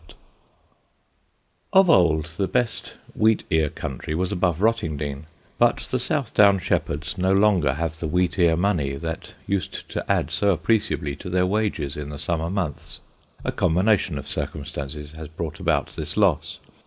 [Sidenote: WHEATEARS] Of old the best wheatear country was above Rottingdean; but the South Down shepherds no longer have the wheatear money that used to add so appreciably to their wages in the summer months. A combination of circumstances has brought about this loss.